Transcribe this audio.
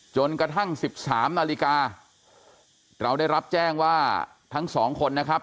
จนกระทั่ง๑๓นาฬิกาเราได้รับแจ้งว่าทั้งสองคนนะครับ